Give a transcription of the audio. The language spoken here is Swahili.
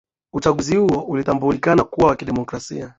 Uchaguzi huo ulitambulikana kuwa wa kidemokrasia